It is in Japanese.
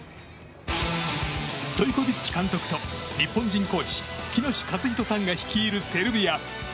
ストイコビッチ監督と日本人コーチ喜熨斗勝史さんが率いるセルビア。